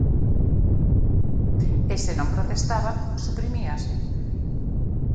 E se non protestaba, suprimíase.